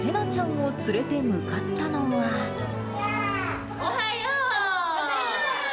おはよう。